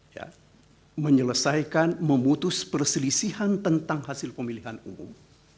ya menyelesaikan memutus perselisihan tentang hasil pemilihan umum